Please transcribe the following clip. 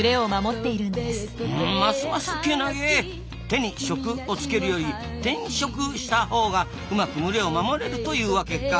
「手に職」を付けるより「転職」したほうがうまく群れを守れるというわけか。